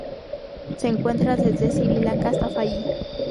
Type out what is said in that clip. Se encuentra desde Sri Lanka hasta Fiyi.